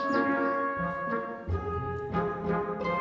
udah sore juga nih mai